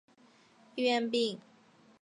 医源病。